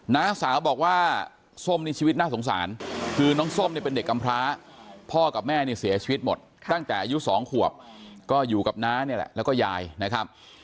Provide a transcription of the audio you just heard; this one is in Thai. น้าสาวบอกว่าส้มนี่ชีวิตน่าสงสารคือน้องส้มเนี่ยเป็นเด็กกำพร้าพ่อกับแม่นี่เสียชีวิตหมดตั้งแต่อายุ๒ขวบก็อยู่กับน้านี่แหละแล้วก็ยายนะครับ